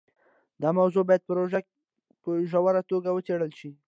دا موضوع باید په ژوره توګه وڅېړل شي.